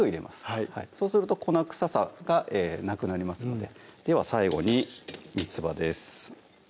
はいそうすると粉臭さがなくなりますのででは最後にみつばです